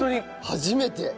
初めて。